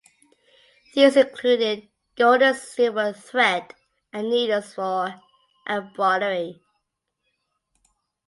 These included gold and silver thread and needles for embroidery.